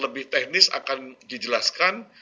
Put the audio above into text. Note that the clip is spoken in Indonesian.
lebih teknis akan dijelaskan